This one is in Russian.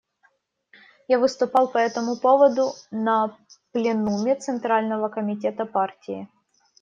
Я выступал по этому поводу на пленуме Центрального Комитета партии.